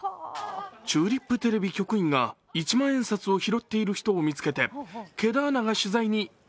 チューリップテレビ局員が一万円札を拾っている方を見つけて毛田アナが取材に。